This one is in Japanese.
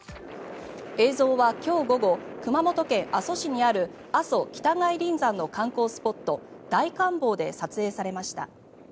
映像は今日午後、熊本県阿蘇市にある阿蘇北外輪山の観光スポット大観峰で撮影されました。